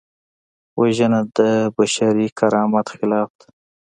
وژنه د بشري کرامت خلاف ده